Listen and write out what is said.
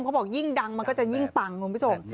บอกยิ่งดังมันก็จะยิ่งปังคุณผู้ชม